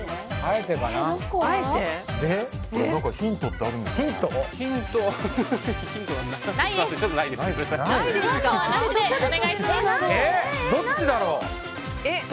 えー、どっちだろう。